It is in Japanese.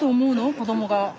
子どもが。